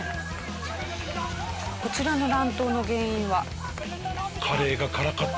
こちらの乱闘の原因は。